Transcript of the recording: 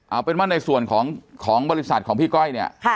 เอาเป็นว่าในส่วนของบริษัทของพี่ก้อยเนี่ย